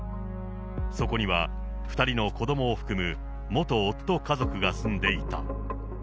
そこには、２人の子どもを含む、元夫家族が住んでいた。